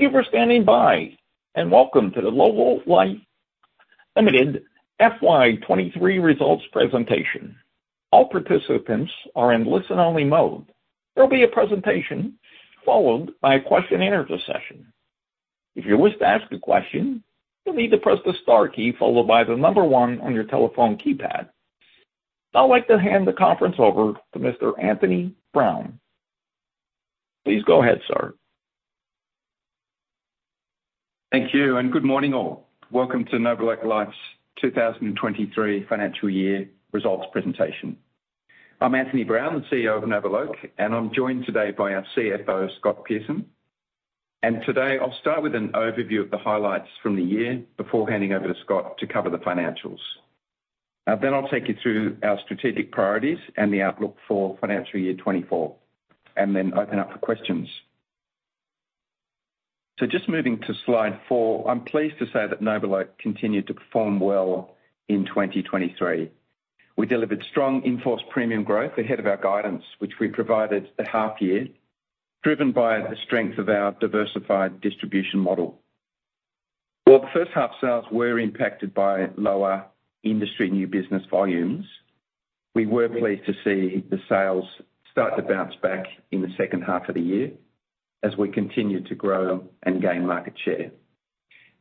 Thank you for standing by, and welcome to the NobleOak Life Limited FY 2023 results presentation. All participants are in listen-only mode. There will be a presentation followed by a question and answer session. If you wish to ask a question, you'll need to press the star key followed by the number one on your telephone keypad. I'd like to hand the conference over to Mr. Anthony Brown. Please go ahead, sir. Thank you, and good morning, all. Welcome to NobleOak Life's 2023 financial year results presentation. I'm Anthony Brown, the CEO of NobleOak, and I'm joined today by our CFO, Scott Pearson. Today, I'll start with an overview of the highlights from the year before handing over to Scott to cover the financials. Then I'll take you through our strategic priorities and the outlook for financial year 2024, and then open up for questions. So just moving to slide 4, I'm pleased to say that NobleOak continued to perform well in 2023. We delivered strong in-force premium growth ahead of our guidance, which we provided at half year, driven by the strength of our diversified distribution model. While the first half sales were impacted by lower industry new business volumes, we were pleased to see the sales start to bounce back in the second half of the year as we continued to grow and gain market share.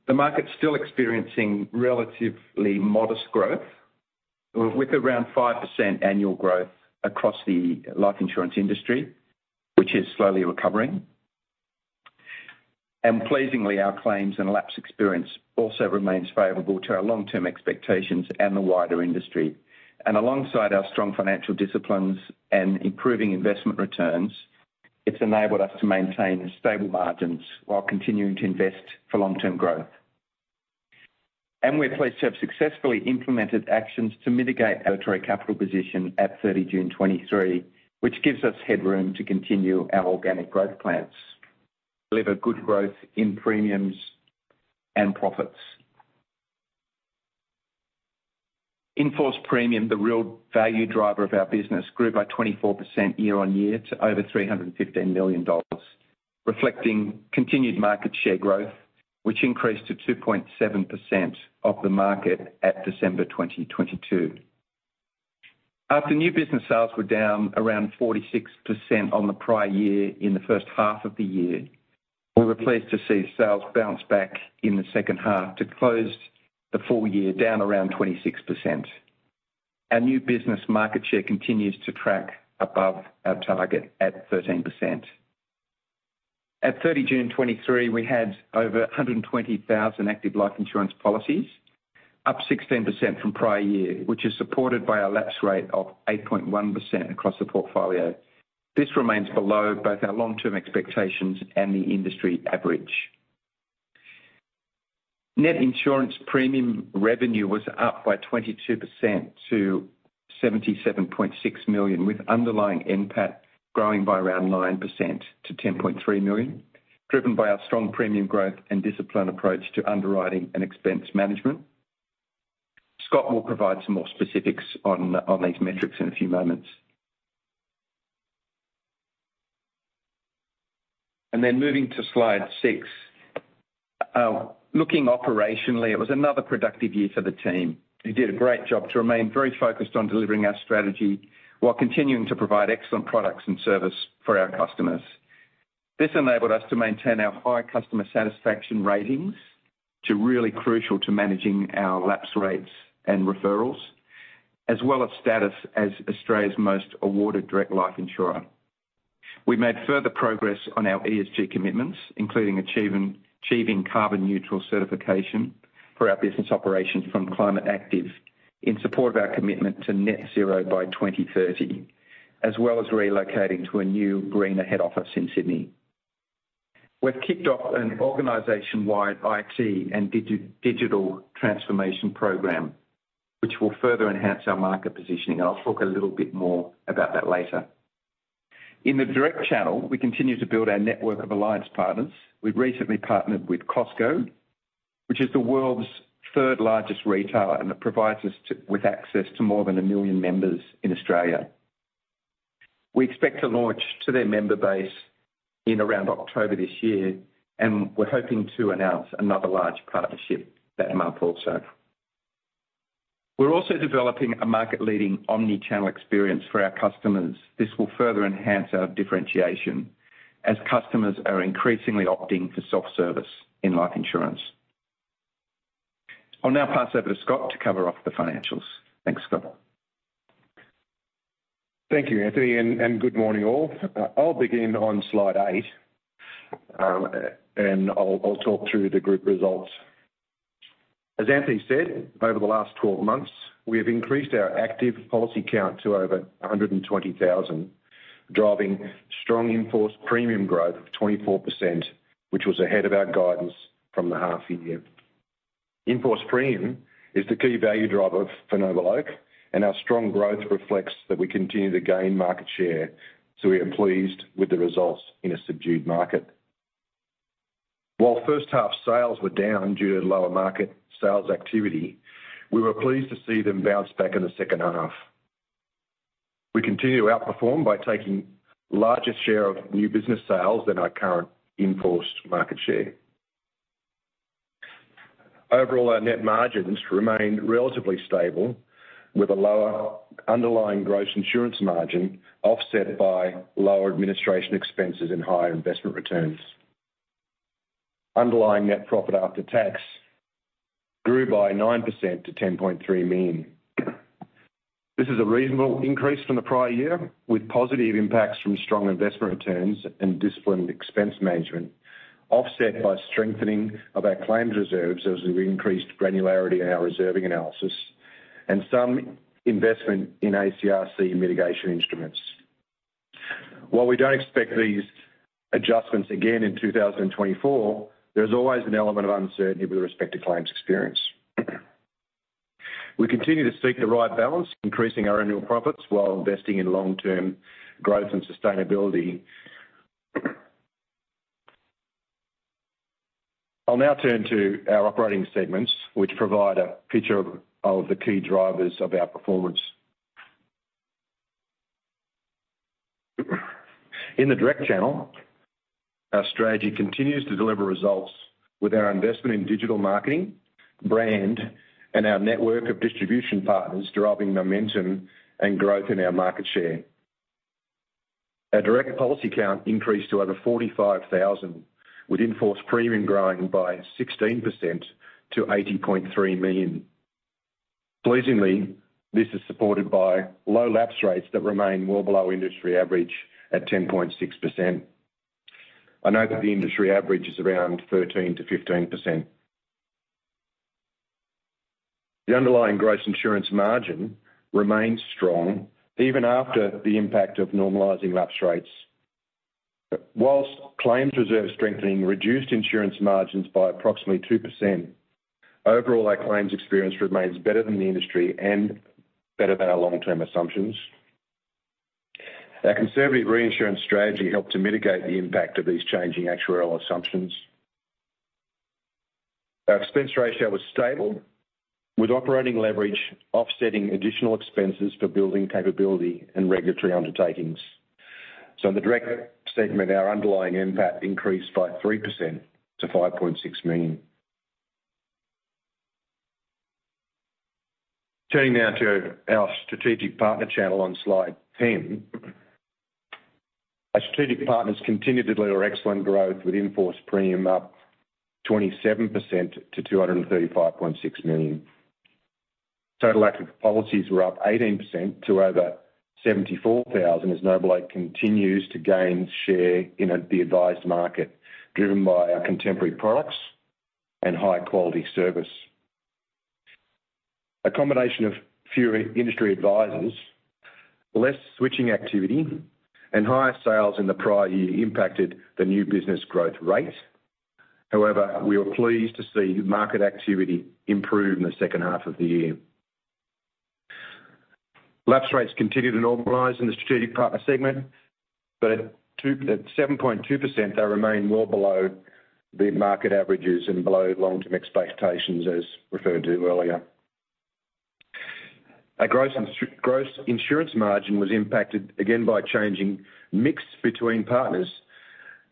The market's still experiencing relatively modest growth, with around 5% annual growth across the life insurance industry, which is slowly recovering. Pleasingly, our claims and lapse experience also remains favorable to our long-term expectations and the wider industry. Alongside our strong financial disciplines and improving investment returns, it's enabled us to maintain stable margins while continuing to invest for long-term growth. We're pleased to have successfully implemented actions to mitigate our regulatory capital position at 30 June 2023, which gives us headroom to continue our organic growth plans, deliver good growth in premiums and profits. In-force premium, the real value driver of our business, grew by 24% year-on-year to over 315 million dollars, reflecting continued market share growth, which increased to 2.7% of the market at December 2022. After new business sales were down around 46% on the prior year in the first half of the year, we were pleased to see sales bounce back in the second half to close the full year down around 26%. Our new business market share continues to track above our target at 13%. At 30 June 2023, we had over 120,000 active Life Insurance policies, up 16% from prior year, which is supported by our lapse rate of 8.1% across the portfolio. This remains below both our long-term expectations and the industry average. Net insurance premium revenue was up by 22% to 77.6 million, with underlying NPAT growing by around 9% to 10.3 million, driven by our strong premium growth and disciplined approach to underwriting and expense management. Scott will provide some more specifics on these metrics in a few moments. Then moving to slide 6. Looking operationally, it was another productive year for the team, who did a great job to remain very focused on delivering our strategy while continuing to provide excellent products and service for our customers. This enabled us to maintain our high customer satisfaction ratings, to really crucial to managing our lapse rates and referrals, as well as status as Australia's most awarded direct life insurer. We made further progress on our ESG commitments, including achieving carbon neutral certification for our business operations from Climate Active, in support of our commitment to net zero by 2030, as well as relocating to a new greener head office in Sydney. We've kicked off an organization-wide IT and digital transformation program, which will further enhance our market positioning, and I'll talk a little bit more about that later. In the Direct Channel, we continue to build our network of alliance partners. We've recently partnered with Costco, which is the world's third largest retailer, and it provides us with access to more than a million members in Australia. We expect to launch to their member base in around October this year, and we're hoping to announce another large partnership that month also. We're also developing a market-leading omnichannel experience for our customers. This will further enhance our differentiation as customers are increasingly opting for self-service in Life Insurance. I'll now pass over to Scott to cover off the financials. Thanks, Scott. Thank you, Anthony, and good morning, all. I'll begin on slide 8, and I'll talk through the group results. As Anthony said, over the last 12 months, we have increased our active policy count to over 120,000, driving strong in-force premium growth of 24%, which was ahead of our guidance from the half year. In-force premium is the key value driver for NobleOak, and our strong growth reflects that we continue to gain market share, so we are pleased with the results in a subdued market. While first half sales were down due to lower market sales activity, we were pleased to see them bounce back in the second half. We continue to outperform by taking larger share of new business sales than our current in-force market share. Overall, our net margins remained relatively stable, with a lower underlying gross insurance margin, offset by lower administration expenses and higher investment returns. Underlying net profit after tax grew by 9% to 10.3 million. This is a reasonable increase from the prior year, with positive impacts from strong investment returns and disciplined expense management, offset by strengthening of our claims reserves as we increased granularity in our reserving analysis and some investment in ACRC mitigation instruments. While we don't expect these adjustments again in 2024, there is always an element of uncertainty with respect to claims experience. We continue to seek the right balance, increasing our annual profits while investing in long-term growth and sustainability. I'll now turn to our operating segments, which provide a picture of the key drivers of our performance. In the Direct Channel, our strategy continues to deliver results with our investment in digital marketing, brand, and our network of distribution partners driving momentum and growth in our market share. Our direct policy count increased to over 45,000, with in-force premium growing by 16% to 80.3 million. Pleasingly, this is supported by low lapse rates that remain well below industry average at 10.6%. I know that the industry average is around 13%-15%. The underlying gross insurance margin remains strong even after the impact of normalizing lapse rates. While claims reserve strengthening reduced insurance margins by approximately 2%, overall, our claims experience remains better than the industry and better than our long-term assumptions. Our conservative reinsurance strategy helped to mitigate the impact of these changing actuarial assumptions. Our expense ratio was stable, with operating leverage offsetting additional expenses for building capability and regulatory undertakings. So in the direct segment, our underlying NPAT increased by 3% to 5.6 million. Turning now to our Strategic Partner channel on slide 10. Our Strategic Partners continued to deliver excellent growth, with in-force premium up 27% to 235.6 million. Total active policies were up 18% to over 74,000, as NobleOak continues to gain share in the advised market, driven by our contemporary products and high-quality service. A combination of fewer industry advisors, less switching activity, and higher sales in the prior year impacted the new business growth rate. However, we were pleased to see market activity improve in the second half of the year. Lapse rates continued to normalize in Strategic Partner segment, but at 7.2%, they remain well below the market averages and below long-term expectations, as referred to earlier. Our gross insurance margin was impacted again by changing mix between partners,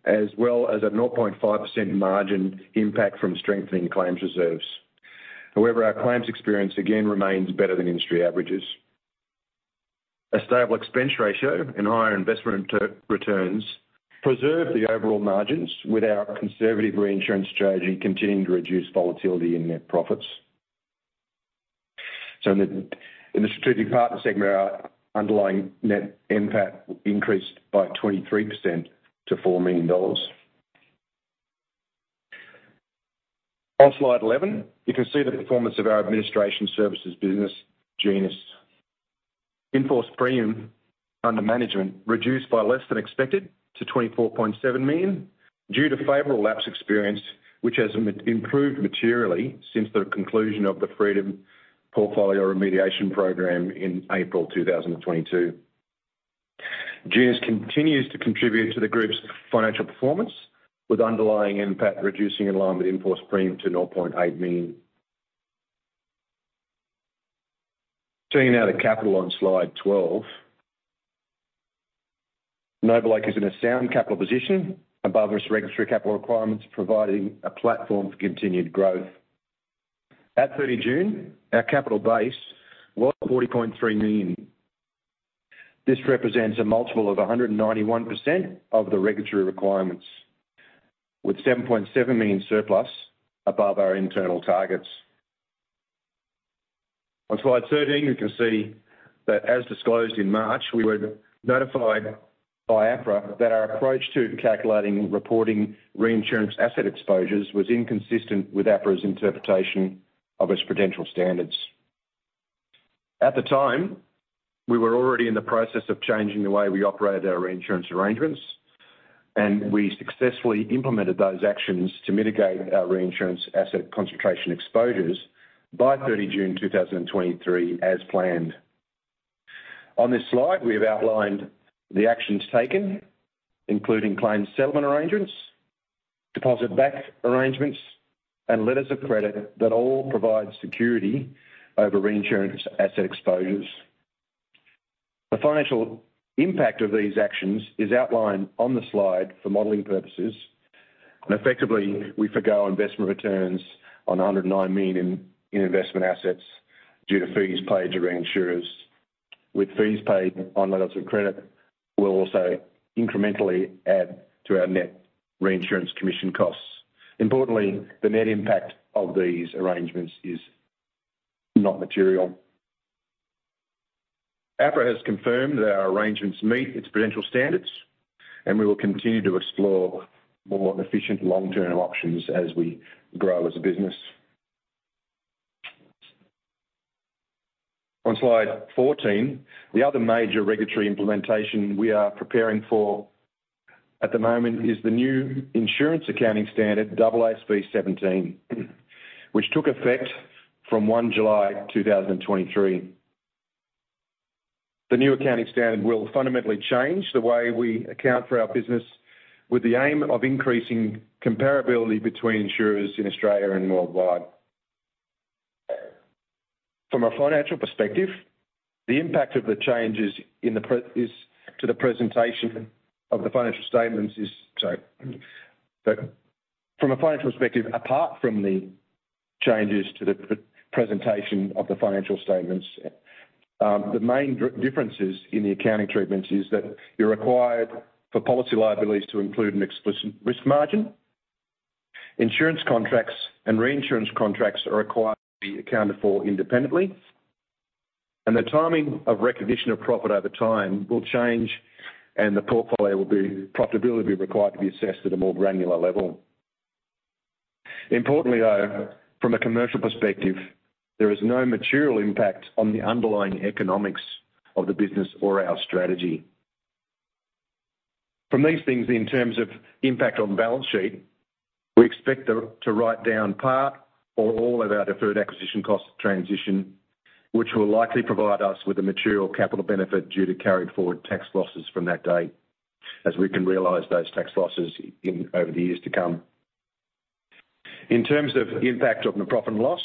as well as a 0.5% margin impact from strengthening claims reserves. However, our claims experience again remains better than industry averages. A stable expense ratio and higher investment returns preserve the overall margins, with our conservative reinsurance strategy continuing to reduce volatility in net profits. So in Strategic Partner segment, our underlying net NPAT increased by 23% to 4 million dollars. On slide 11, you can see the performance of our administration services business, Genus. In-force premium under management reduced by less than expected to 24.7 million, due to favorable lapse experience, which has improved materially since the conclusion of the Freedom portfolio remediation program in April 2022. Genus continues to contribute to the group's financial performance, with underlying NPAT reducing in line with in-force premium to AUD 0.8 million. Turning now to capital on slide 12. NobleOak is in a sound capital position, above its regulatory capital requirements, providing a platform for continued growth. At 30 June, our capital base was 40.3 million. This represents a multiple of 191% of the regulatory requirements, with 7.7 million surplus above our internal targets. On slide 13, you can see that as disclosed in March, we were notified by APRA that our approach to calculating and reporting reinsurance asset exposures was inconsistent with APRA's interpretation of its Prudential Standards. At the time, we were already in the process of changing the way we operated our reinsurance arrangements, and we successfully implemented those actions to mitigate our reinsurance asset concentration exposures by 30 June 2023 as planned. On this slide, we have outlined the actions taken, including claims settlement arrangements, deposit back arrangements and letters of credit that all provide security over reinsurance asset exposures. The financial impact of these actions is outlined on the slide for modeling purposes, and effectively, we forego investment returns on 109 million in investment assets due to fees paid to reinsurers. With fees paid on letters of credit, we'll also incrementally add to our net reinsurance commission costs. Importantly, the net impact of these arrangements is not material. APRA has confirmed that our arrangements meet its Prudential Standards, and we will continue to explore more efficient long-term options as we grow as a business. On slide 14, the other major regulatory implementation we are preparing for at the moment is the new insurance accounting standard, AASB 17, which took effect from 1 July 2023. The new accounting standard will fundamentally change the way we account for our business, with the aim of increasing comparability between insurers in Australia and worldwide. From a financial perspective, the impact of the changes in the presentation of the financial statements is sorry. But from a financial perspective, apart from the changes to the presentation of the financial statements, the main differences in the accounting treatments is that you're required for policy liabilities to include an explicit risk margin. Insurance contracts and reinsurance contracts are required to be accounted for independently, and the timing of recognition of profit over time will change, and the portfolio profitability required to be assessed at a more granular level. Importantly, though, from a commercial perspective, there is no material impact on the underlying economics of the business or our strategy. From these things, in terms of impact on the balance sheet, we expect to write down part or all of our Deferred Acquisition Cost transition, which will likely provide us with a material capital benefit due to carried forward tax losses from that date, as we can realize those tax losses over the years to come. In terms of impact on the profit and loss,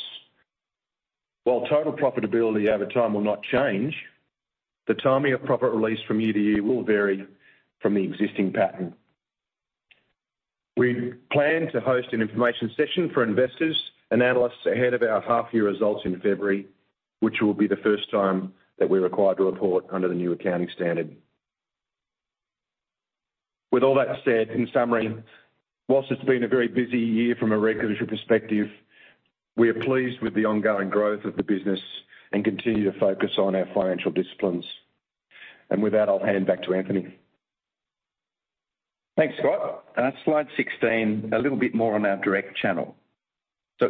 while total profitability over time will not change, the timing of profit release from year to year will vary from the existing pattern. We plan to host an information session for investors and analysts ahead of our half-year results in February, which will be the first time that we're required to report under the new accounting standard. With all that said, in summary, while it's been a very busy year from a regulatory perspective, we are pleased with the ongoing growth of the business and continue to focus on our financial disciplines. With that, I'll hand back to Anthony. Thanks, Scott. On slide 16, a little bit more on our Direct Channel.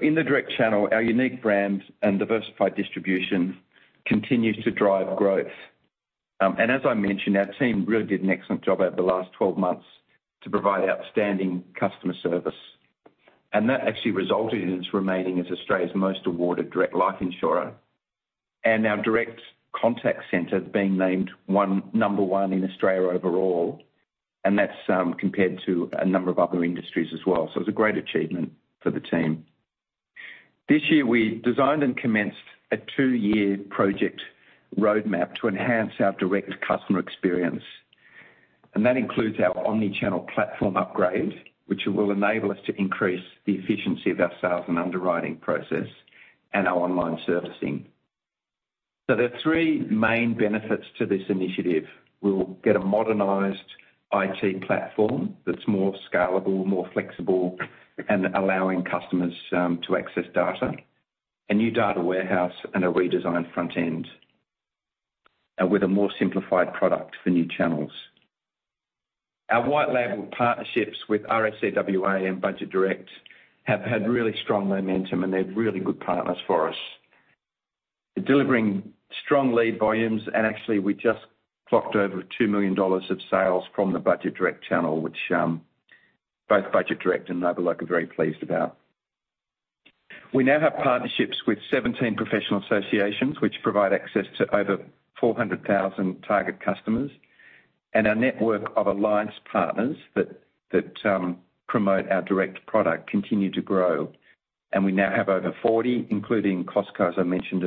In the Direct Channel, our unique brand and diversified distribution continues to drive growth. As I mentioned, our team really did an excellent job over the last 12 months to provide outstanding customer service. That actually resulted in us remaining as Australia's most awarded direct life insurer, and our direct contact center being named number one in Australia overall, and that's compared to a number of other industries as well. It's a great achievement for the team. This year, we designed and commenced a two-year project roadmap to enhance our direct customer experience, and that includes our omnichannel platform upgrade, which will enable us to increase the efficiency of our sales and underwriting process and our online servicing. There are three main benefits to this initiative. We will get a modernized IT platform that's more scalable, more flexible, and allowing customers to access data, a new data warehouse, and a redesigned front end with a more simplified product for new channels. Our white label partnerships with RAC WA and Budget Direct have had really strong momentum, and they're really good partners for us. They're delivering strong lead volumes, and actually, we just clocked over 2 million dollars of sales from the Budget Direct channel, which both Budget Direct and NobleOak are very pleased about. We now have partnerships with 17 professional associations, which provide access to over 400,000 target customers, and our network of alliance partners that promote our direct product continue to grow. We now have over 40, including Costco, as I mentioned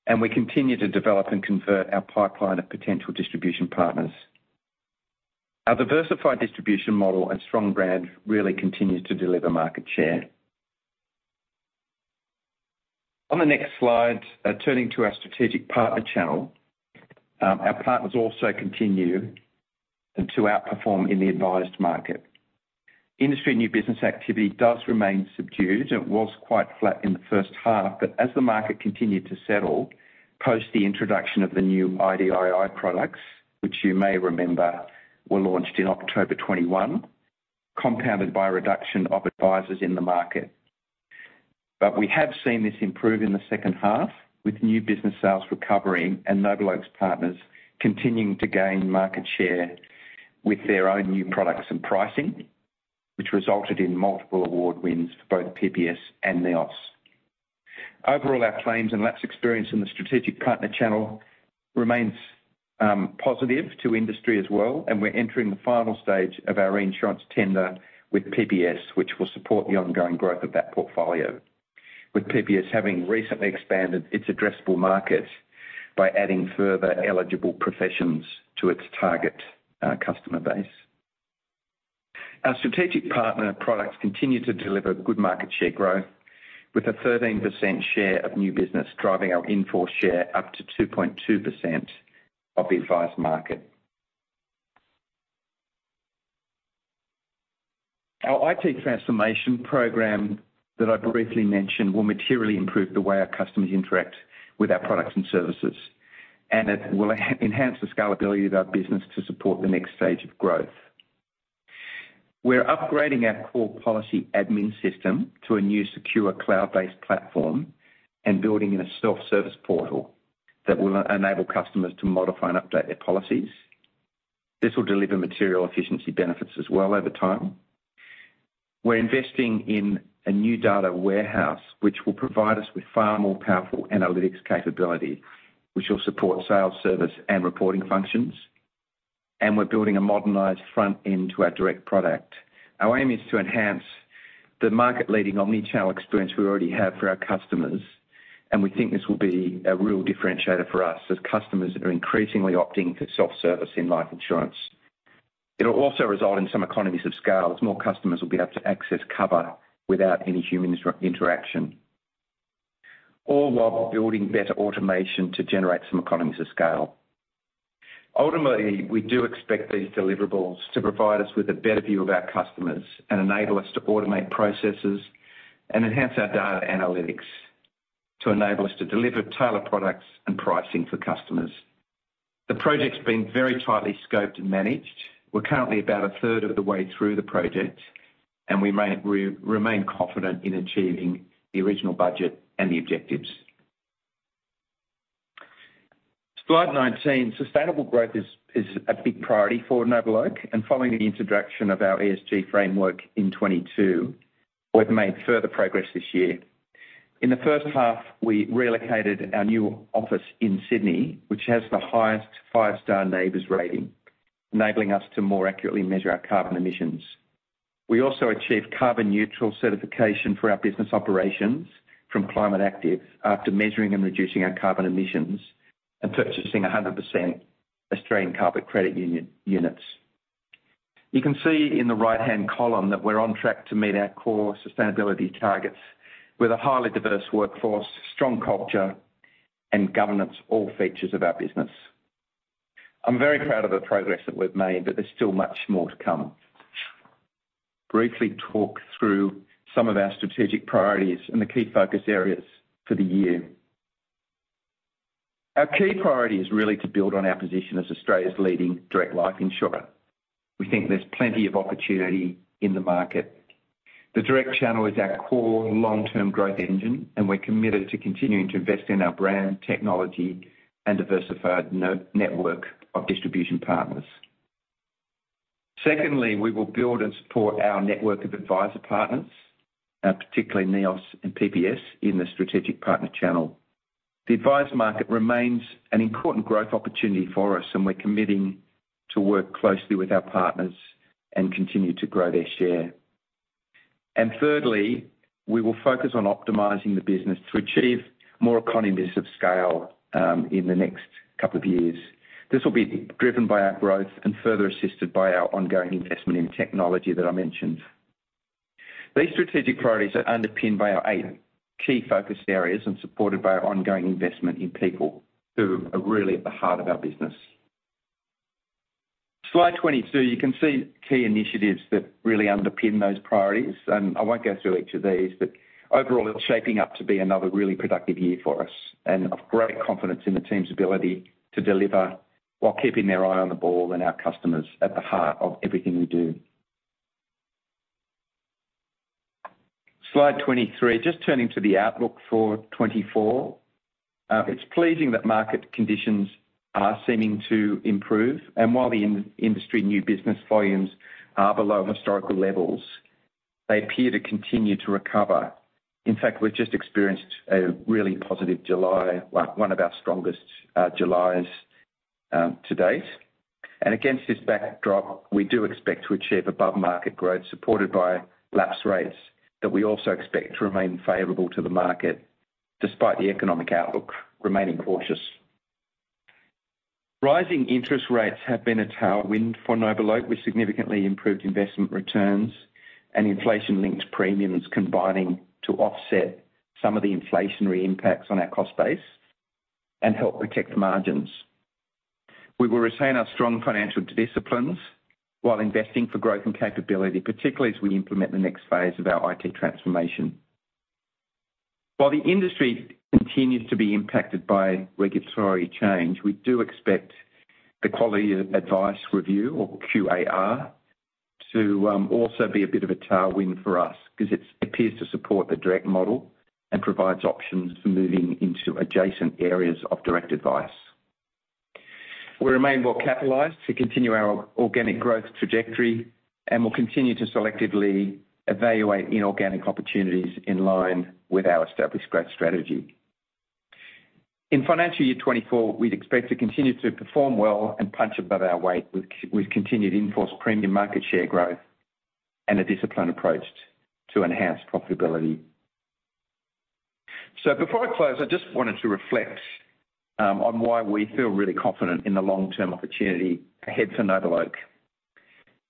earlier, and we continue to develop and convert our pipeline of potential distribution partners. Our diversified distribution model and strong brand really continues to deliver market share. On the next slide, turning to our Strategic Partner channel, our partners also continue to outperform in the advised market. Industry new business activity does remain subdued, and it was quite flat in the first half, but as the market continued to settle post the introduction of the new IDII products, which you may remember were launched in October 2021, compounded by a reduction of advisors in the market. But we have seen this improve in the second half, with new business sales recovering and NobleOak's partners continuing to gain market share with their own new products and pricing, which resulted in multiple award wins for both PPS and NEOS. Overall, our claims and lapse experience in the Strategic Partner channel remains positive to industry as well, and we're entering the final stage of our reinsurance tender with PPS, which will support the ongoing growth of that portfolio, with PPS having recently expanded its addressable market by adding further eligible professions to its target customer base. Our Strategic Partner products continue to deliver good market share growth, with a 13% share of new business driving our in-force share up to 2.2% of the advised market. Our IT transformation program that I briefly mentioned will materially improve the way our customers interact with our products and services, and it will enhance the scalability of our business to support the next stage of growth. We're upgrading our core policy admin system to a new secure cloud-based platform, and building in a self-service portal that will enable customers to modify and update their policies. This will deliver material efficiency benefits as well over time. We're investing in a new data warehouse, which will provide us with far more powerful analytics capability, which will support sales, service, and reporting functions, and we're building a modernized front end to our direct product. Our aim is to enhance the market-leading omnichannel experience we already have for our customers, and we think this will be a real differentiator for us as customers are increasingly opting for self-service in Life Insurance. It'll also result in some economies of scale, as more customers will be able to access cover without any human interaction, all while building better automation to generate some economies of scale. Ultimately, we do expect these deliverables to provide us with a better view of our customers, and enable us to automate processes and enhance our data analytics to enable us to deliver tailored products and pricing for customers. The project's been very tightly scoped and managed. We're currently about a third of the way through the project, and we remain confident in achieving the original budget and the objectives. Slide 19, sustainable growth is a big priority for NobleOak, and following the introduction of our ESG framework in 2022, we've made further progress this year. In the first half, we relocated our new office in Sydney, which has the highest 5-star NABERS rating, enabling us to more accurately measure our carbon emissions. We also achieved carbon neutral certification for our business operations from Climate Active after measuring and reducing our carbon emissions and purchasing 100% Australian Carbon Credit Units. You can see in the right-hand column that we're on track to meet our core sustainability targets with a highly diverse workforce, strong culture, and governance, all features of our business. I'm very proud of the progress that we've made, but there's still much more to come. Briefly talk through some of our strategic priorities and the key focus areas for the year. Our key priority is really to build on our position as Australia's leading direct life insurer. We think there's plenty of opportunity in the market. The Direct Channel is our core long-term growth engine, and we're committed to continuing to invest in our brand, technology, and diversified network of distribution partners. Secondly, we will build and support our network of advisor partners, particularly NEOS and PPS, in the Strategic Partner channel. The adviser market remains an important growth opportunity for us, and we're committing to work closely with our partners and continue to grow their share. And thirdly, we will focus on optimizing the business to achieve more economies of scale, in the next couple of years. This will be driven by our growth and further assisted by our ongoing investment in technology that I mentioned. These strategic priorities are underpinned by our eight key focus areas and supported by our ongoing investment in people, who are really at the heart of our business. Slide 22, you can see key initiatives that really underpin those priorities, and I won't go through each of these, but overall, it's shaping up to be another really productive year for us, and I've great confidence in the team's ability to deliver while keeping their eye on the ball and our customers at the heart of everything we do. Slide 23, just turning to the outlook for 2024. It's pleasing that market conditions are seeming to improve, and while the in-industry new business volumes are below historical levels, they appear to continue to recover. In fact, we've just experienced a really positive July, like, one of our strongest, July's, to date. And against this backdrop, we do expect to achieve above-market growth, supported by lapse rates, that we also expect to remain favorable to the market despite the economic outlook remaining cautious. Rising interest rates have been a tailwind for NobleOak, with significantly improved investment returns and inflation-linked premiums combining to offset some of the inflationary impacts on our cost base and help protect margins. We will retain our strong financial disciplines while investing for growth and capability, particularly as we implement the next phase of our IT transformation. While the industry continues to be impacted by regulatory change, we do expect the Quality of Advice Review, or QAR, to also be a bit of a tailwind for us because it appears to support the direct model and provides options for moving into adjacent areas of direct advise. We remain well capitalized to continue our organic growth trajectory, and we'll continue to selectively evaluate inorganic opportunities in line with our established growth strategy. In financial year 2024, we'd expect to continue to perform well and punch above our weight, with continued in-force premium market share growth and a disciplined approach to enhanced profitability. So before I close, I just wanted to reflect on why we feel really confident in the long-term opportunity ahead for NobleOak.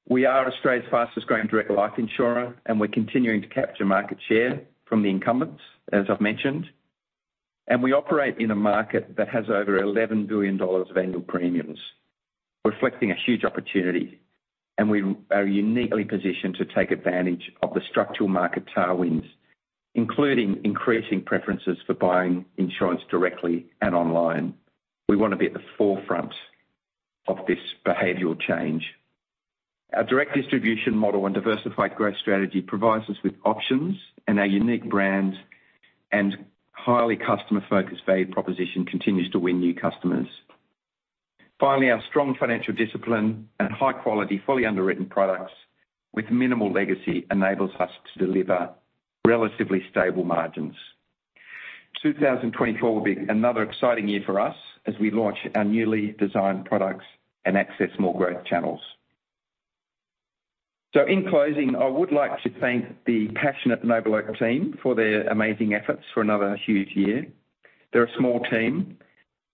We are Australia's fastest growing direct life insurer, and we're continuing to capture market share from the incumbents, as I've mentioned. And we operate in a market that has over 11 billion dollars of annual premiums, reflecting a huge opportunity, and we are uniquely positioned to take advantage of the structural market tailwinds, including increasing preferences for buying insurance directly and online. We want to be at the forefront of this behavioral change. Our direct distribution model and diversified growth strategy provides us with options, and our unique brand and highly customer-focused value proposition continues to win new customers. Finally, our strong financial discipline and high quality, fully underwritten products with minimal legacy enables us to deliver relatively stable margins. 2024 will be another exciting year for us as we launch our newly designed products and access more growth channels. So in closing, I would like to thank the passionate NobleOak team for their amazing efforts for another huge year. They're a small team.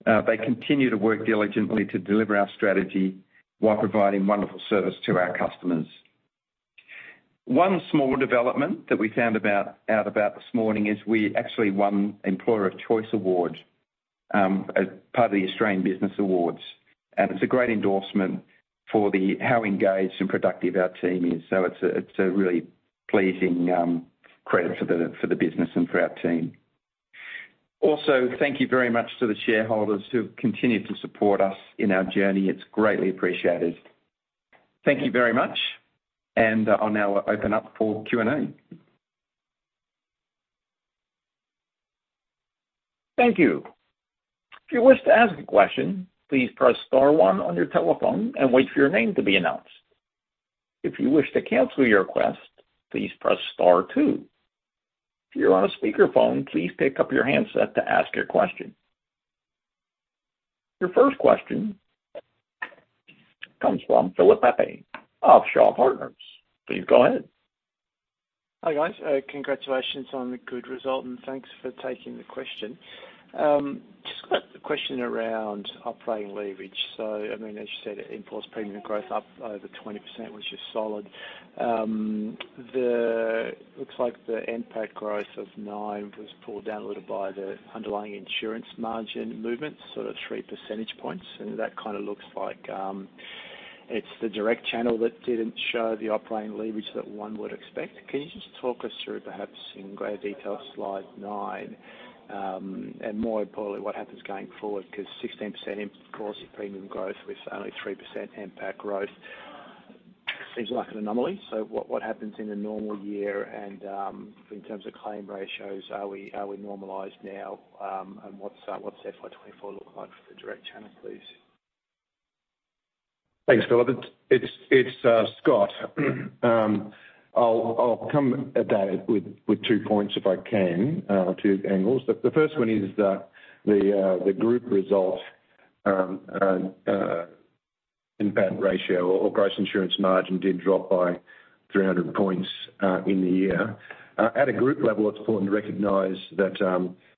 They continue to work diligently to deliver our strategy while providing wonderful service to our customers. One small development that we found out about this morning is we actually won Employer of Choice Award, as part of the Australian Business Awards, and it's a great endorsement for the how engaged and productive our team is. So it's a, it's a really pleasing credit for the business and for our team. Also, thank you very much to the shareholders who have continued to support us in our journey. It's greatly appreciated. Thank you very much, and I'll now open up for Q&A. Thank you. If you wish to ask a question, please press star one on your telephone and wait for your name to be announced. If you wish to cancel your request, please press star two. If you're on a speakerphone, please pick up your handset to ask your question. Your first question comes from Philip Pepe of Shaw and Partners. Please go ahead. Hi, guys. Congratulations on the good result, and thanks for taking the question. Just got a question around operating leverage. So, I mean, as you said, in-force premium growth up over 20%, which is solid. Looks like the NPAT growth of 9% was pulled down a little by the underlying insurance margin movement, sort of 3 percentage points, and that kind of looks like, it's the Direct Channel that didn't show the operating leverage that one would expect. Can you just talk us through, perhaps in greater detail, slide 9, and more importantly, what happens going forward? Because 16% in-force premium growth with only 3% NPAT growth seems like an anomaly. So what, what happens in a normal year? And, in terms of claim ratios, are we, are we normalized now? What's FY 2024 look like for the Direct Channel, please? Thanks, Philip. It's Scott. I'll come at that with 2 points, if I can, 2 angles. The first one is that the group result impact ratio or gross insurance margin did drop by 300 points in the year. At a group level, it's important to recognize that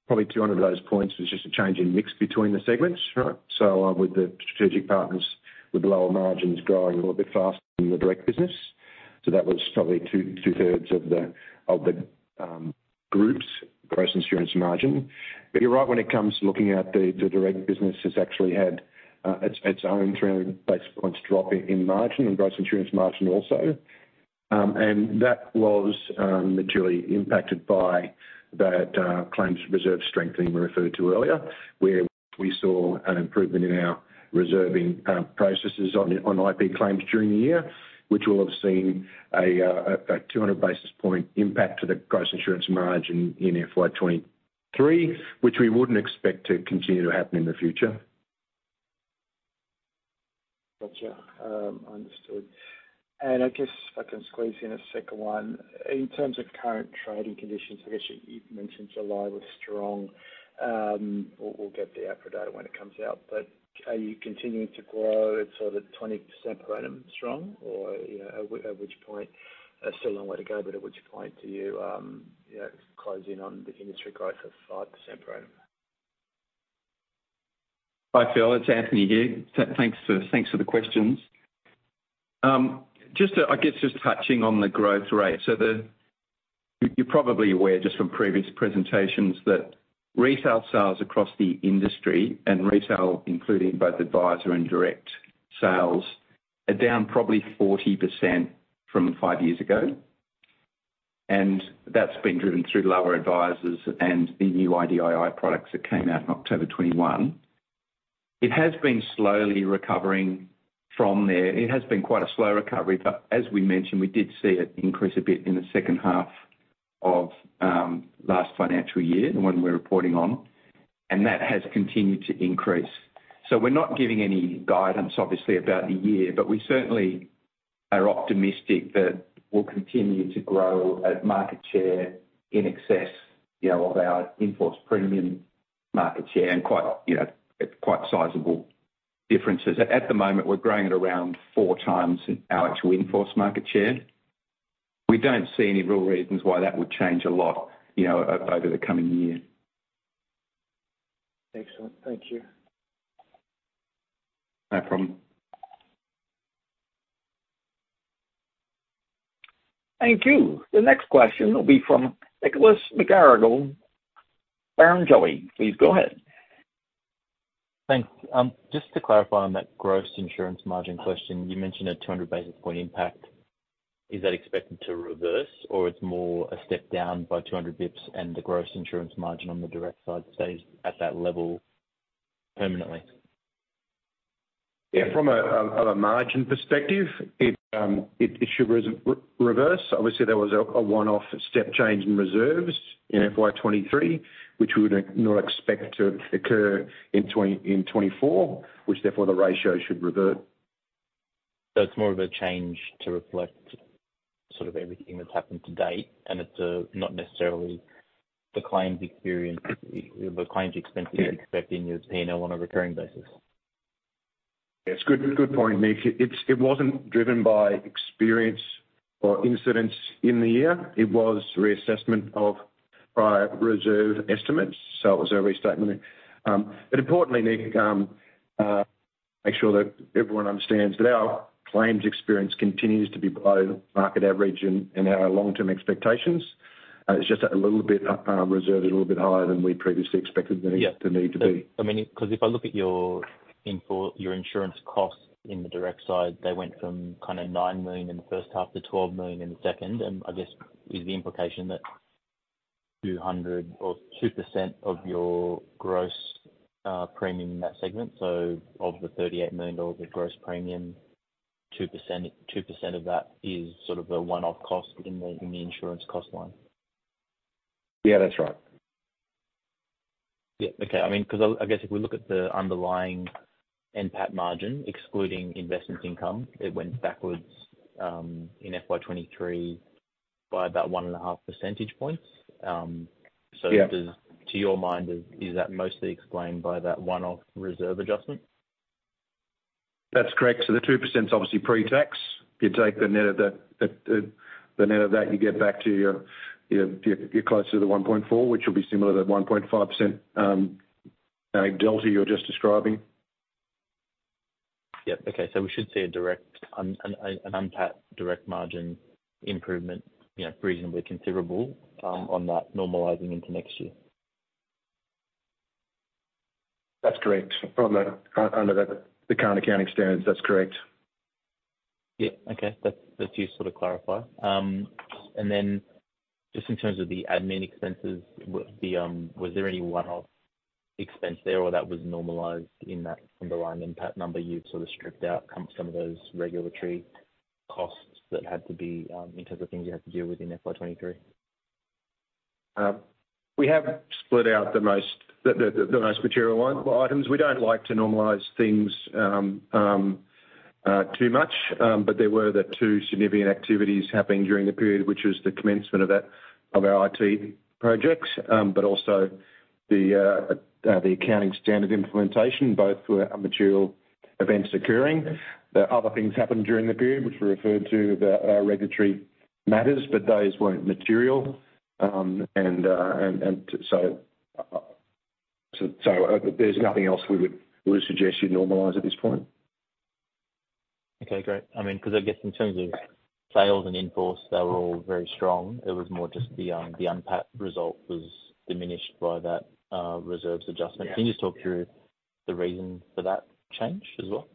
probably 200 of those points was just a change in mix between the segments, right? So, with the Strategic Partners with lower margins growing a little bit faster than the direct business. So that was probably two-thirds of the group's gross insurance margin. But you're right, when it comes to looking at the direct business, it's actually had its own 300 basis points drop in margin and gross insurance margin also. That was materially impacted by that claims reserve strengthening we referred to earlier, where we saw an improvement in our reserving processes on IP claims during the year, which will have seen a 200 basis point impact to the gross insurance margin in FY 2023, which we wouldn't expect to continue to happen in the future. Gotcha. Understood. I guess if I can squeeze in a second one. In terms of current trading conditions, I guess you, you've mentioned July was strong. We'll get the output data when it comes out, but are you continuing to grow at sort of 20% pro forma strong? Or, you know, at which point, there's still a long way to go, but at which point do you, you know, close in on the industry growth of 5% pro forma? Hi, Phil, it's Anthony here. So thanks for, thanks for the questions. Just to—I guess, just touching on the growth rate. So you're probably aware, just from previous presentations, that retail sales across the industry, and retail, including both advisor and direct sales, are down probably 40% from five years ago. And that's been driven through lower advisors and the new IDII products that came out in October of 2021. It has been slowly recovering from there. It has been quite a slow recovery, but as we mentioned, we did see it increase a bit in the second half.... Of last financial year, the one we're reporting on, and that has continued to increase. So we're not giving any guidance, obviously, about the year, but we certainly are optimistic that we'll continue to grow at market share in excess, you know, of our in-force premium market share, and quite sizable differences. At the moment, we're growing at around four times our actual in-force market share. We don't see any real reasons why that would change a lot, you know, over the coming year. Excellent. Thank you. No problem. Thank you. The next question will be from Nicholas McGarrigle, Barrenjoey. Please go ahead. Thanks. Just to clarify on that gross insurance margin question, you mentioned a 200 basis point impact. Is that expected to reverse, or it's more a step down by 200 basis points, and the gross insurance margin on the direct side stays at that level permanently? Yeah, from a margin perspective, it should reverse. Obviously, there was a one-off step change in reserves. Yeah. In FY 2023, which we would not expect to occur in 2024, in 2024, which therefore, the ratio should revert. It's more of a change to reflect sort of everything that's happened to date, and it's not necessarily the claims experience, the claims expenses- Yeah. You expect in your P&L on a recurring basis? Yes, good, good point, Nick. It wasn't driven by experience or incidents in the year. It was reassessment of prior reserve estimates, so it was a restatement. But importantly, Nick, make sure that everyone understands that our claims experience continues to be below market average and our long-term expectations. It's just a little bit reserved a little bit higher than we previously expected them- Yeah To need to be. I mean, 'cause if I look at your insurance costs in the direct side, they went from kind of 9 million in the first half to 12 million in the second. And I guess, is the implication that 200 or 2% of your gross premium in that segment, so of the 38 million dollars of gross premium, 2%, 2% of that is sort of a one-off cost in the, in the insurance cost line? Yeah, that's right. Yeah. Okay. I mean, 'cause I guess if we look at the underlying NPAT margin, excluding investment income, it went backwards in FY 2023 by about 1.5 percentage points. So- Yeah... Does, to your mind, is that mostly explained by that one-off reserve adjustment? That's correct. So the 2%'s obviously pre-tax. You take the net of that, the net of that, you get back to your, your, your closer to the 1.4, which will be similar to the 1.5% delta you were just describing. Yep. Okay, so we should see a direct NPAT direct margin improvement, you know, reasonably considerable, on that normalizing into next year? That's correct. From that, under the current accounting standards, that's correct. Yeah. Okay. That's, that's useful to clarify. And then just in terms of the admin expenses, the, was there any one-off expense there, or that was normalized in that underlying impact number? You've sort of stripped out some, some of those regulatory costs that had to be, in terms of things you had to deal with in FY 2023. We have split out the most material items. We don't like to normalize things too much, but there were the two significant activities happening during the period, which was the commencement of that of our IT projects, but also the accounting standard implementation, both were material events occurring. The other things happened during the period, which we referred to about our regulatory matters, but those weren't material. And so there's nothing else we would suggest you normalize at this point. Okay, great. I mean, 'cause I guess in terms of sales and in-force, they were all very strong. It was more just the underlying NPAT result was diminished by that reserves adjustment. Yeah. Can you just talk through the reason for that change as well?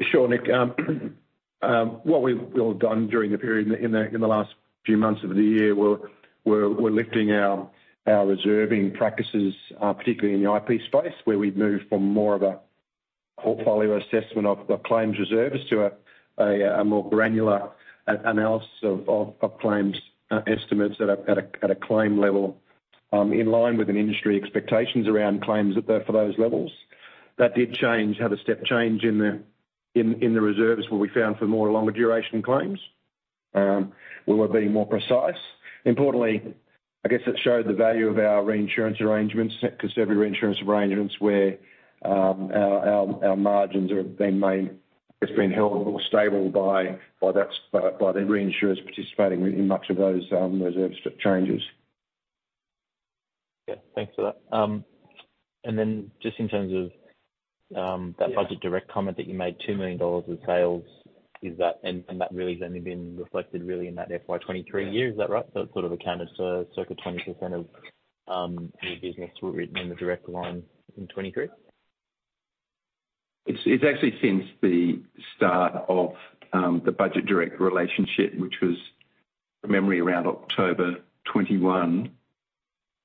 Sure, Nick. What we've done during the period in the last few months of the year, we're lifting our reserving practices, particularly in the IP space, where we've moved from more of a portfolio assessment of claims reserves, to a more granular analysis of claims estimates at a claim level, in line with an industry expectations around claims that are for those levels. That did change, have a step change in the reserves, where we found for more longer duration claims. We were being more precise. Importantly, I guess it showed the value of our reinsurance arrangements, conservative reinsurance arrangements, where our margins are being made... It's been held or stable by the reinsurers participating in much of those reserve strip changes. Yeah, thanks for that. And then just in terms of, Yeah... That Budget Direct comment that you made, 2 million dollars in sales, is that... And that really has only been reflected really in that FY 2023 year. Is that right? So it sort of accounted to circa 20% of your business were written in the direct line in 2023? It's actually since the start of the Budget Direct relationship, which was, from memory, around October 2021....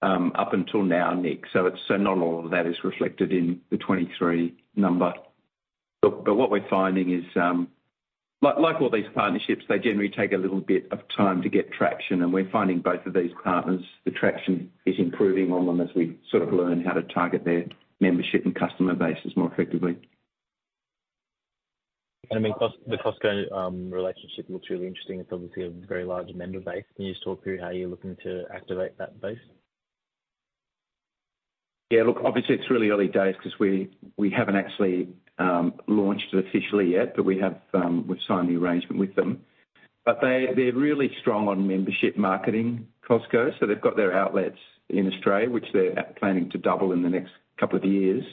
Up until now, Nick. So it's, so not all of that is reflected in the 23 number. But, but what we're finding is, like, like all these partnerships, they generally take a little bit of time to get traction, and we're finding both of these partners, the traction is improving on them as we sort of learn how to target their membership and customer bases more effectively. And I mean, the Costco relationship looks really interesting. It's obviously a very large member base. Can you just talk through how you're looking to activate that base? Yeah, look, obviously, it's really early days 'cause we haven't actually launched officially yet, but we have, we've signed the arrangement with them. But they, they're really strong on membership marketing, Costco, so they've got their outlets in Australia, which they're planning to double in the next couple of years.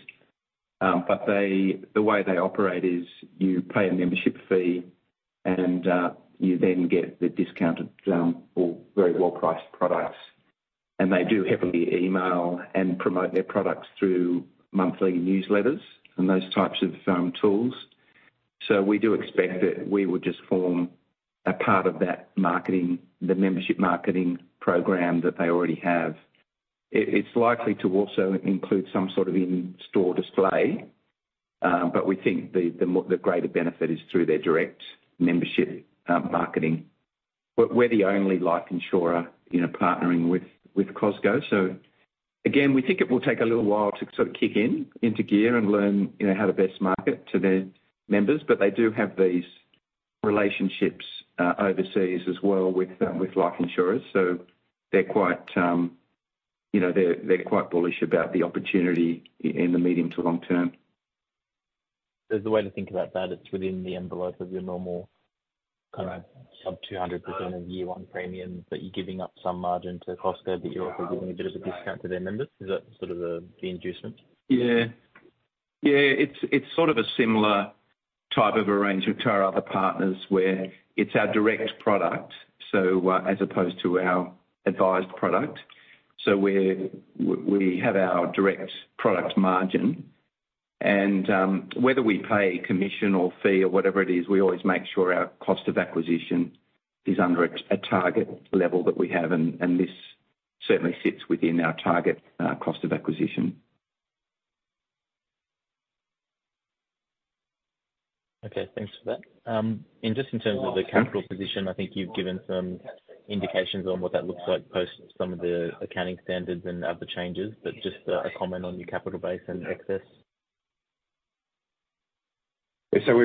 But they, the way they operate is you pay a membership fee, and, you then get the discounted, or very well-priced products. And they do heavily email and promote their products through monthly newsletters and those types of tools. So we do expect that we would just form a part of that marketing, the membership marketing program that they already have. It's likely to also include some sort of in-store display, but we think the greater benefit is through their direct membership marketing. But we're the only life insurer, you know, partnering with Costco. So again, we think it will take a little while to sort of kick in, into gear and learn, you know, how to best market to their members, but they do have these relationships overseas as well with life insurers. So they're quite, you know, they're quite bullish about the opportunity in the medium to long term. The way to think about that, it's within the envelope of your normal kind of- Right... Sub 200% of year-one premiums, but you're giving up some margin to Costco, but you're also giving a bit of a discount to their members. Is that sort of the inducement? Yeah. Yeah, it's sort of a similar type of arrangement to our other partners, where it's our direct product, so, as opposed to our advised product. So we're, we have our direct product margin, and, whether we pay commission or fee or whatever it is, we always make sure our cost of acquisition is under a target level that we have, and, this certainly sits within our target cost of acquisition. Okay, thanks for that. Just in terms of the capital position, I think you've given some indications on what that looks like post some of the accounting standards and other changes, but just a comment on your capital base and excess. So,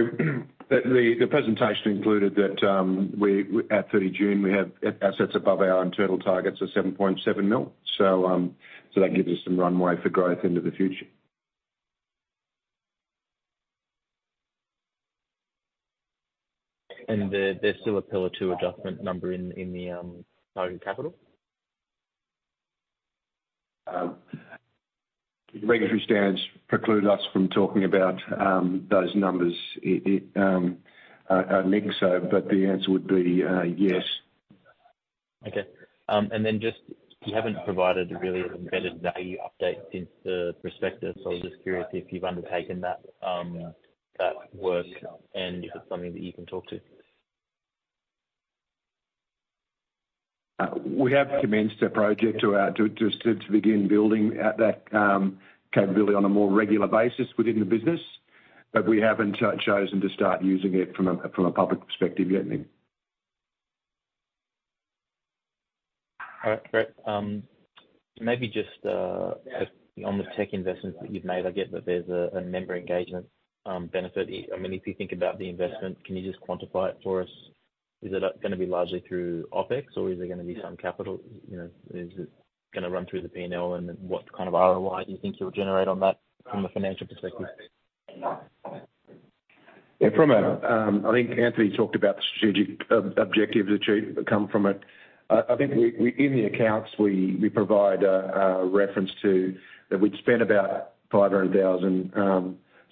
the presentation included that we at 30 June have assets above our internal targets of 7.7 mil. So, that gives us some runway for growth into the future. And there, there's still a Pillar 2 adjustment number in, in the target capital? Regulatory standards preclude us from talking about those numbers, Nick, so but the answer would be yes. Okay. And then just you haven't provided really an embedded value update since the prospectus, so I'm just curious if you've undertaken that work and if it's something that you can talk to? We have commenced a project to begin building out that capability on a more regular basis within the business, but we haven't chosen to start using it from a public perspective yet, Nick. All right, great. Maybe just on the tech investments that you've made, I get that there's a member engagement benefit. I mean, if you think about the investment, can you just quantify it for us? Is it gonna be largely through OpEx, or is there gonna be some capital? You know, is it gonna run through the P&L, and then what kind of ROI do you think you'll generate on that from a financial perspective? Yeah, from a... I think Anthony talked about the strategic objective achieved that come from it. I think we in the accounts, we provide a reference to that we'd spent about 500,000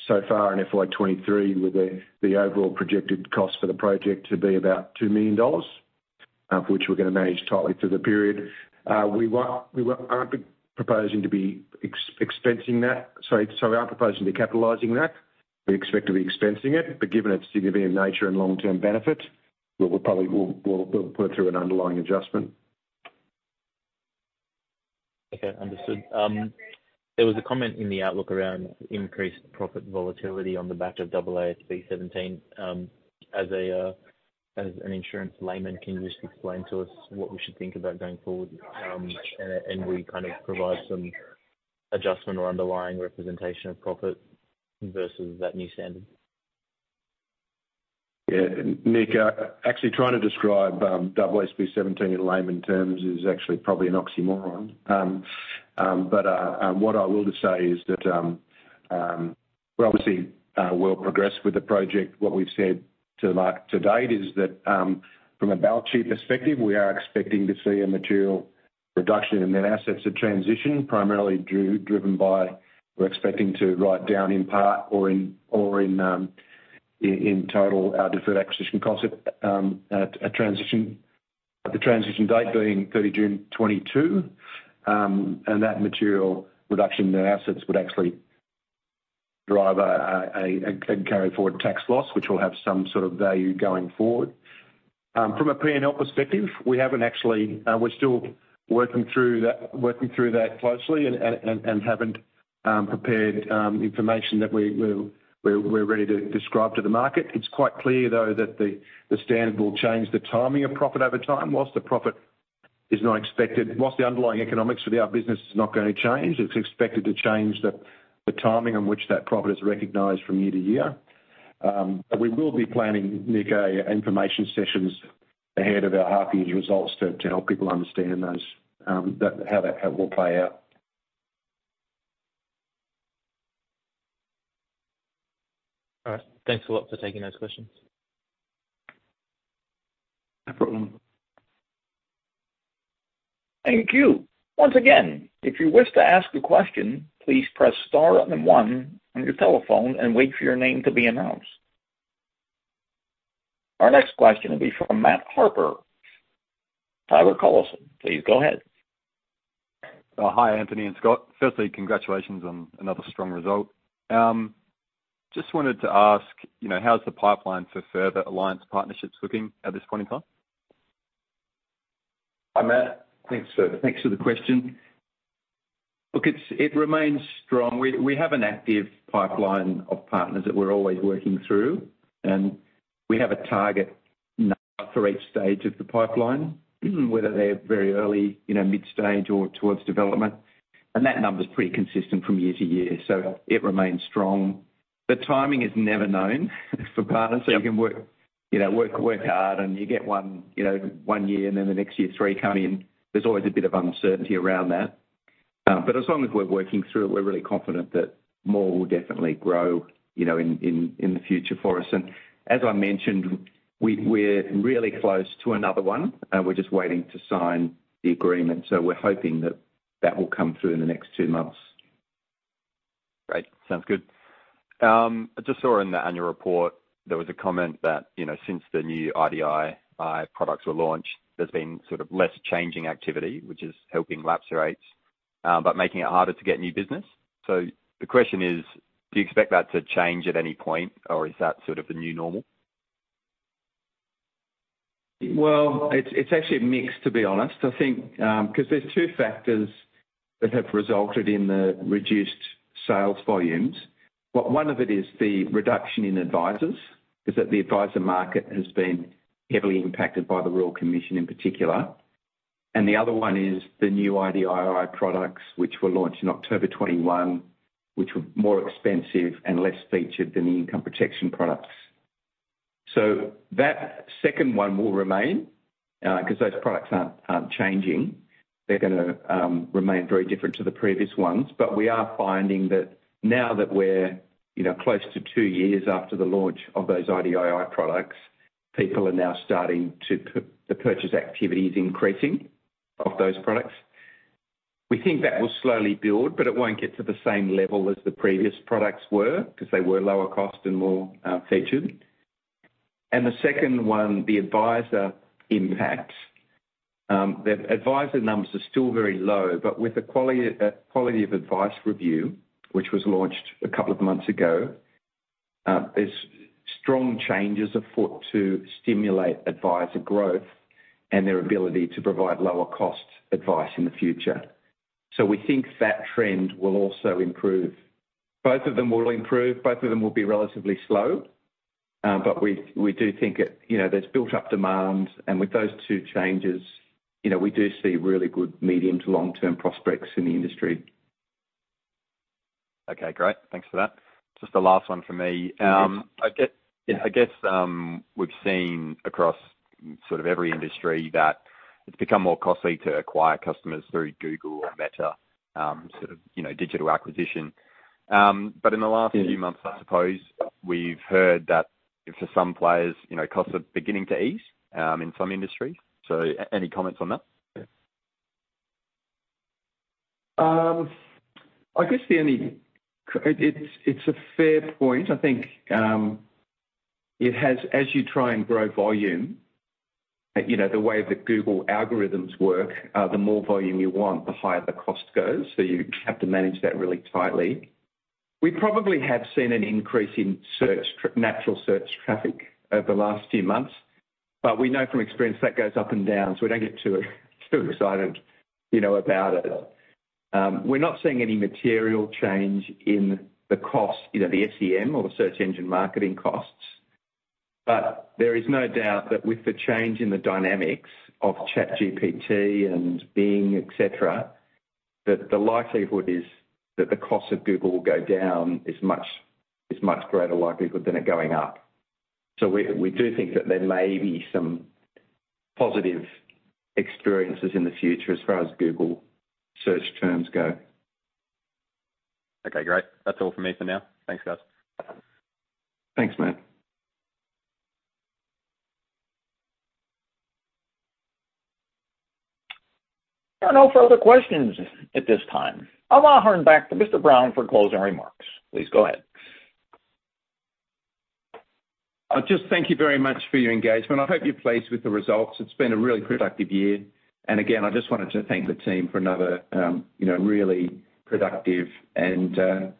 so far in FY 2023, with the overall projected cost for the project to be about 2 million dollars, for which we're gonna manage tightly through the period. We aren't proposing to be expensing that, sorry, so we are proposing to capitalizing that. We expect to be expensing it, but given its significant nature and long-term benefit, we'll probably put through an underlying adjustment. Okay, understood. There was a comment in the outlook around increased profit volatility on the back of AASB 17. As an insurance layman, can you just explain to us what we should think about going forward? And we kind of provide some adjustment or underlying representation of profit versus that new standard. Yeah, Nick, actually trying to describe AASB 17 in layman terms is actually probably an oxymoron. But what I will just say is that we're obviously well progressed with the project. What we've said to the market to date is that from a balance sheet perspective, we are expecting to see a material reduction in the assets of transition, primarily driven by, we're expecting to write down in part or in total, our deferred acquisition cost at transition, the transition date being 30 June 2022. And that material reduction in our assets would actually-... Drive a carry forward tax loss, which will have some sort of value going forward. From a P&L perspective, we haven't actually, we're still working through that, working through that closely and haven't prepared information that we're ready to describe to the market. It's quite clear, though, that the standard will change the timing of profit over time. Whilst the profit is not expected, whilst the underlying economics for our business is not gonna change, it's expected to change the timing on which that profit is recognized from year to year. But we will be planning, Nick, information sessions ahead of our half year results to help people understand those, that, how that will play out. All right, thanks a lot for taking those questions. No problem. Thank you. Once again, if you wish to ask a question, please press star and then one on your telephone and wait for your name to be announced. Our next question will be from Matt Harper. Taylor Collison, please go ahead. Hi, Anthony and Scott. Firstly, congratulations on another strong result. Just wanted to ask, you know, how's the pipeline for further alliance partnerships looking at this point in time? Hi, Matt. Thanks for, thanks for the question. Look, it remains strong. We have an active pipeline of partners that we're always working through, and we have a target number for each stage of the pipeline, whether they're very early, you know, mid-stage or towards development. And that number is pretty consistent from year to year, so it remains strong. The timing is never known for partners, so you can work, you know, hard and you get one, you know, one year and then the next year, three come in. There's always a bit of uncertainty around that. But as long as we're working through it, we're really confident that more will definitely grow, you know, in the future for us. And as I mentioned, we're really close to another one, we're just waiting to sign the agreement. We're hoping that that will come through in the next two months. Great. Sounds good. I just saw in the annual report there was a comment that, you know, since the new IDII, products were launched, there's been sort of less changing activity, which is helping lapse rates, but making it harder to get new business. So the question is: do you expect that to change at any point, or is that sort of the new normal? Well, it's actually a mix, to be honest. I think, 'cause there's two factors that have resulted in the reduced sales volumes. Well, one of it is the reduction in advisors, that the advisor market has been heavily impacted by the Royal Commission in particular. And the other one is the new IDII products, which were launched in October 2021, which were more expensive and less featured than the income protection products. So that second one will remain, 'cause those products aren't changing. They're gonna remain very different to the previous ones. But we are finding that now that we're, you know, close to two years after the launch of those IDII products, people are now starting to, the purchase activity is increasing of those products. We think that will slowly build, but it won't get to the same level as the previous products were, 'cause they were lower cost and more, featured. And the second one, the advisor impact. The advisor numbers are still very low, but with the quality, Quality of Advice Review, which was launched a couple of months ago, there's strong changes afoot to stimulate advisor growth and their ability to provide lower cost advice in the future. So we think that trend will also improve. Both of them will improve, both of them will be relatively slow, but we, we do think it, you know, there's built up demand. And with those two changes, you know, we do see really good medium to long-term prospects in the industry. Okay, great. Thanks for that. Just the last one from me. Yes. I guess, we've seen across sort of every industry that it's become more costly to acquire customers through Google or Meta, sort of, you know, digital acquisition. But in the last few months, I suppose we've heard that for some players, you know, costs are beginning to ease, in some industries. So any comments on that? I guess the only... It's, it's a fair point. I think, it has, as you try and grow volume, you know, the way that Google algorithms work, the more volume you want, the higher the cost goes. So you have to manage that really tightly. We probably have seen an increase in search, natural search traffic over the last few months, but we know from experience that goes up and down, so we don't get too, too excited, you know, about it. We're not seeing any material change in the cost, you know, the SEM or the search engine marketing costs. But there is no doubt that with the change in the dynamics of ChatGPT and Bing, et cetera, that the likelihood is that the cost of Google will go down is much, is much greater likelihood than it going up. So we do think that there may be some positive experiences in the future as far as Google Search terms go. Okay, great. That's all from me for now. Thanks, guys. Thanks, Matt. There are no further questions at this time. I'll hand back to Mr. Brown for closing remarks. Please go ahead. I'll just thank you very much for your engagement. I hope you're pleased with the results. It's been a really productive year, and again, I just wanted to thank the team for another, you know, really productive and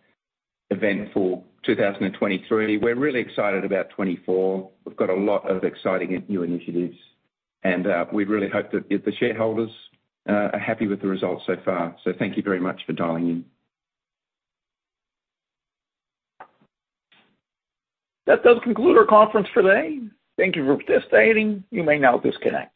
event for 2023. We're really excited about 2024. We've got a lot of exciting and new initiatives, and we really hope that the shareholders are happy with the results so far. So thank you very much for dialing in. That does conclude our conference for today. Thank you for participating. You may now disconnect.